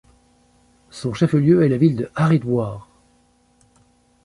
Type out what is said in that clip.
Son chef-lieu est la ville de Haridwar.